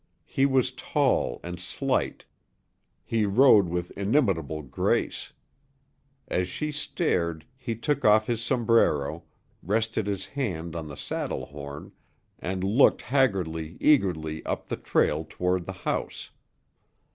He was tall and slight, he rode with inimitable grace. As she stared, he took off his sombrero, rested his hand on the saddle horn, and looked haggardly, eagerly, up the trail toward the house.